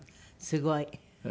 すごい。